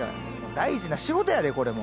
大事な仕事やでこれも！